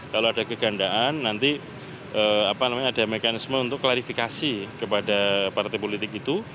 kalau ada kegandaan nanti ada mekanisme untuk klarifikasi kepada partai politik itu